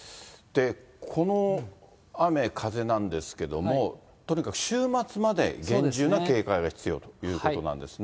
この雨、風なんですけども、とにかく週末まで厳重な警戒が必要ということなんですね。